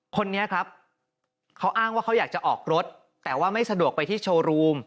คนนี้ครับเขาอ้างว่าเขาอยากจะออกรถแต่ว่าไม่สะดวกไปที่โชว์รูม